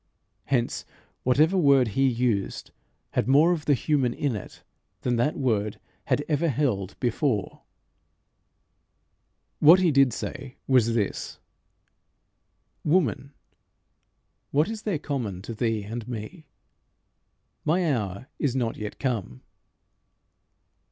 Hence whatever word he used had more of the human in it than that word had ever held before. What he did say was this "Woman, what is there common to thee and me? My hour is not yet come."